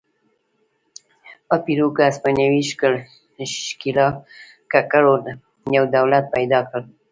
په پیرو کې هسپانوي ښکېلاکګرو یو دولت پیدا کړ.